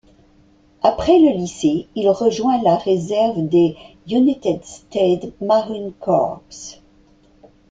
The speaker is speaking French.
Après le lycée, il rejoint la réserve des United States Marine Corps.